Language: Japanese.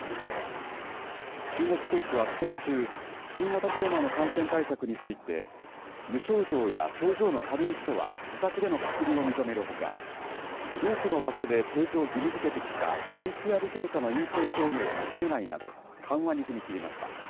中国政府は先週、新型コロナの感染対策について、無症状や症状の軽い人は自宅での隔離を認めるほか、多くの場所で提示を義務づけてきたＰＣＲ検査の陰性証明を求めないなど、緩和に踏み切りました。